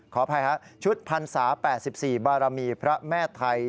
ขออภัยฮะชุดพรรษา๘๔บารมีพระแม่ไทย